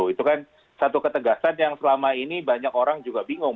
itu kan satu ketegasan yang selama ini banyak orang juga bingung